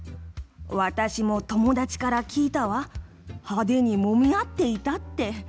私も友達から聞いたわはでにもみ合っていたって。